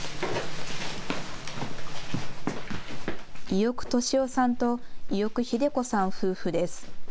伊與久敏男さんと伊與久秀子さん夫婦です。